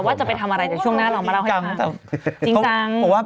แต่ว่าจะไปทำอะไรแต่ช่วงหน้าลองมาเล่าให้ค่ะ